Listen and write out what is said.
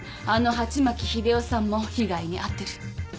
あの鉢巻秀男さんも被害に遭ってる。